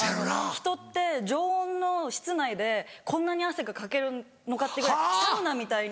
人って常温の室内でこんなに汗がかけるのかってぐらいサウナみたいに。